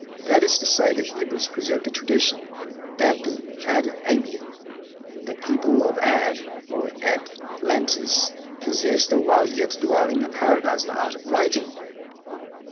That is to say, the Hebrews preserved a tradition that the Ad ami, the people of Ad, or Adlantis, possessed, while yet dwelling in Paradise, the art of writing.